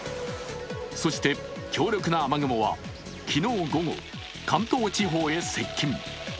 そして強力な雨雲は昨日午後、関東地方に接近。